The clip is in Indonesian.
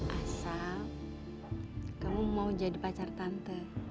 asal kamu mau jadi pacar tante